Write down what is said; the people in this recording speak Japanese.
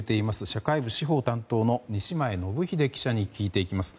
社会部司法担当の西前信英記者に聞きます。